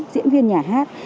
diễn viên nhà hát